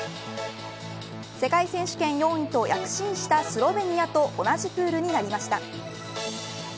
世界選手権４位と躍進したスロベニアと同じプールになりました。